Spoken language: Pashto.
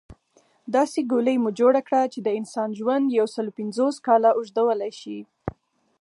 داسې ګولۍ مو جوړه کړه چې د انسان ژوند يوسل پنځوس کاله اوږدولی شي